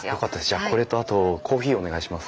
じゃあこれとあとコーヒーお願いします。